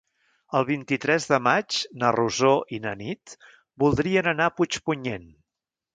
El vint-i-tres de maig na Rosó i na Nit voldrien anar a Puigpunyent.